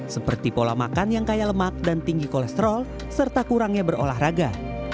seperti pola makan yang kaya lemak dan tinggi kolesterol serta kurangnya berolahraga